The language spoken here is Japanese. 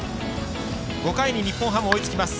５回、日本ハム追いつきます。